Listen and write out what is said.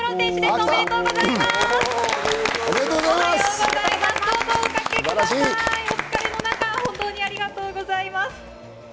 お疲れの中、本当にありがとうございます。